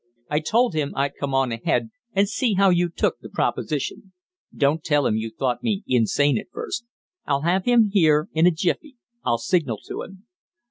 "I told him I'd come on ahead, and see how you took the proposition. Don't tell him you thought me insane at first. I'll have him here in a jiffy. I'll signal to him."